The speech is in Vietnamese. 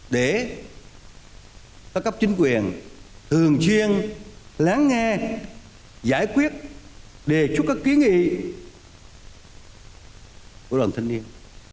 để các cấp chính quyền thường chuyên lắng nghe giải quyết đề xuất các ký nghị của đoàn thanh niên